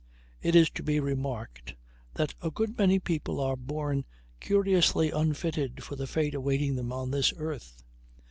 It is to be remarked that a good many people are born curiously unfitted for the fate awaiting them on this earth.